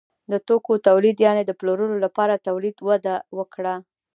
د توکو تولید یعنې د پلورلو لپاره تولید وده وکړه.